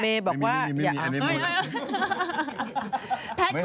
เมย์บอกว่าอย่าไม่มีแอนิมูล